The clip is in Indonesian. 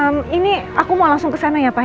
ehm ini aku mau langsung kesana ya pak ya